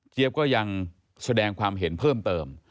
ก็ยังแสดงความเห็นเพิ่มเติม